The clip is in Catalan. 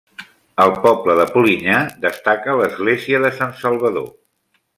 Al poble de Polinyà destaca l'església de Sant Salvador.